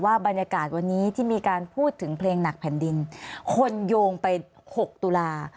บรรยากาศวันนี้ที่มีการพูดถึงเพลงหนักแผ่นดินคนโยงไป๖ตุลา